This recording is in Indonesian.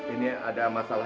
ini ada masalah